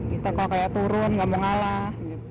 kita kok kayak turun gak mau ngalah